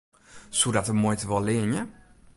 Soe dat de muoite wol leanje?